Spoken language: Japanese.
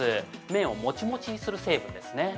麺をもちもちにする成分ですね。